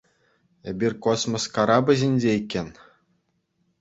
Эпир космос карапӗ ҫинче иккен.